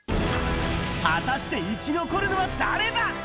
果たして生き残るのは誰だ？